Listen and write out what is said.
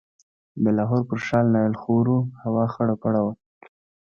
د لاهور پر ښار نایل خور و، هوا خړه پړه وه.